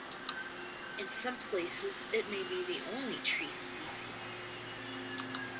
In some places it may be the only tree species.